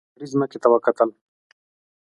سړي ځمکې ته وکتل.